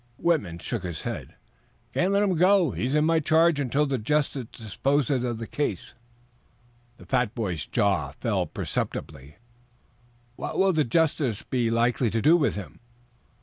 Whitman shook his head. "Can't let him go. He's in my charge until the justice disposes of the case." The fat boy's jaw fell perceptibly. "What will the justice be likely to do with him?"